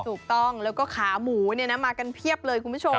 ถูกต้องแล้วก็ขาหมูมากันเพียบเลยคุณผู้ชม